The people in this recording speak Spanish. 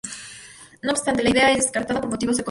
No obstante, la idea es descartada por motivos económicos.